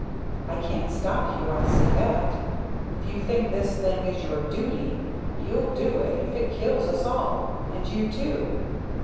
I can't stop you I see that. If you think this thing is your 'duty' you'll do it if it kills us all and you too!